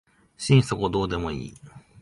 心底どうでもいい